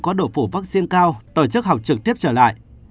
có độ phủ vaccine cao tổ chức học trực tiếp trở lại